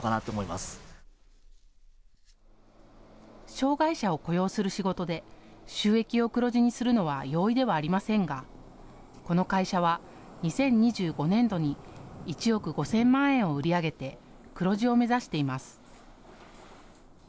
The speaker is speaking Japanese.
障害者を雇用する仕事で収益を黒字にするのは容易ではありませんがこの会社は２０２５年度に１億５０００万円を売り上げて黒字を目指しています。